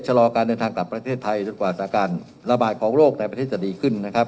รอการเดินทางกลับประเทศไทยจนกว่าสถานการณ์ระบาดของโรคในประเทศจะดีขึ้นนะครับ